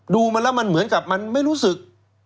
ดูมันแล้วมันเหมือนกับมันไม่รู้สึก